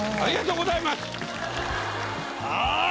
はい！